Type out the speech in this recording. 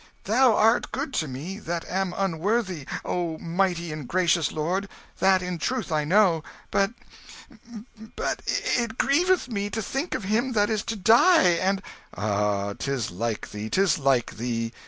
"Thou art good to me that am unworthy, O mighty and gracious lord: that in truth I know. But but it grieveth me to think of him that is to die, and " "Ah, 'tis like thee, 'tis like thee!